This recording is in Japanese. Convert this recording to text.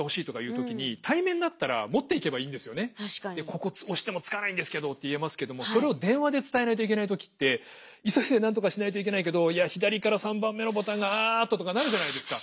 ここ押してもつかないんですけどって言えますけどもそれを電話で伝えないといけない時って急いでなんとかしないといけないけどいや左から３番目のボタンがあっと！とかなるじゃないですか？